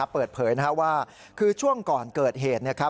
เปิดเผยว่าคือช่วงก่อนเกิดเหตุ